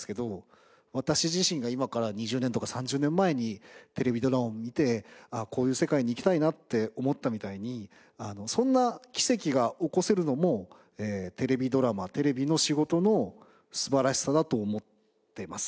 私自身が今から２０年とか３０年前にテレビドラマを見てこういう世界に行きたいなって思ったみたいにそんな奇跡が起こせるのもテレビドラマテレビの仕事の素晴らしさだと思ってます。